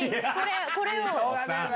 これを。